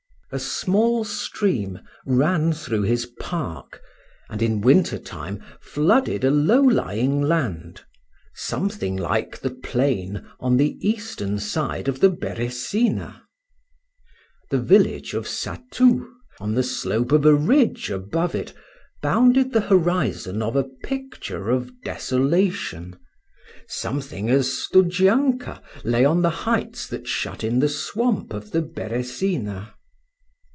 A small stream ran through his park, and in winter time flooded a low lying land, something like the plain on the eastern side of the Beresina. The village of Satout, on the slope of a ridge above it, bounded the horizon of a picture of desolation, something as Studzianka lay on the heights that shut in the swamp of the Beresina.